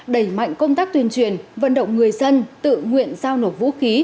đẩy mạnh công tác tuyên truyền vận động người dân tự nguyện giao nổ vũ khí